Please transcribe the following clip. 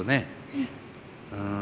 うん。